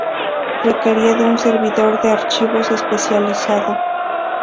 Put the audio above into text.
Requería de un servidor de archivos especializado.